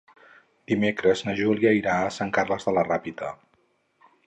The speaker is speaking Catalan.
Dimecres na Júlia irà a Sant Carles de la Ràpita.